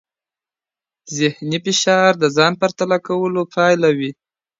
ذهني فشار د ځان پرتله کولو پایله وي.